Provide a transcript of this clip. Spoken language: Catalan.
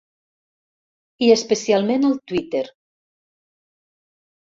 I especialment al Twitter.